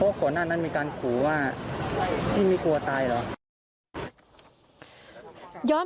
อ่ะก็หน้าไม่การฝอได้หรอ